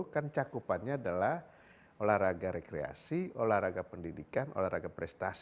kan cakupannya adalah olahraga rekreasi olahraga pendidikan olahraga prestasi